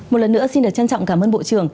một lần nữa xin được trân trọng cảm ơn bộ trưởng